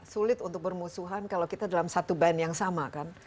sulit untuk bermusuhan kalau kita dalam satu band yang sama kan